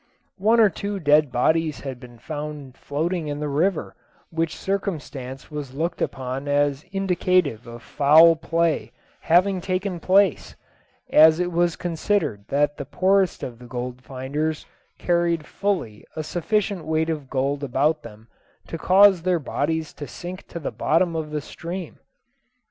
One or two dead bodies had been found floating in the river, which circumstance was looked upon as indicative of foul play having taken place, as it was considered that the poorest of the gold finders carried fully a sufficient weight of gold about them to cause their bodies to sink to the bottom of the stream.